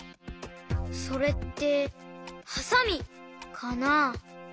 それってはさみかな？